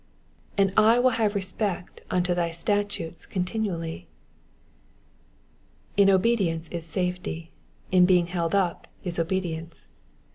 ^^And I will have respect unto thy statutes con* tinuaUyy In obedience is safety ; in being held up is obedience.